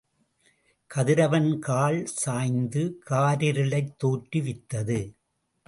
கதிரவன் கால் சாய்ந்து காரிருளைத் தோற்றுவித்தது.